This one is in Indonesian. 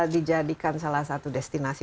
dijadikan salah satu destinasi